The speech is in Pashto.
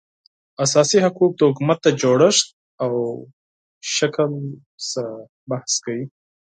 اساسي حقوق د حکومت د جوړښت او شکل څخه بحث کوي